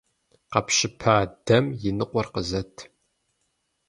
Къэпщыпа дэм и ныкъуэр къызэт!